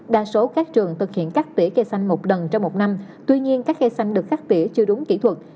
đa số các trường thực hiện cắt tỉa cây xanh một lần trong một năm tuy nhiên các cây xanh được cắt tỉa chưa đúng kỹ thuật